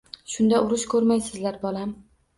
Shunda urush ko`rmaysizlar, bolam